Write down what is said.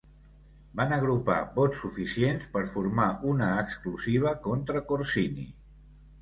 Van agrupar vots suficients per formar una exclusiva contra Corsini.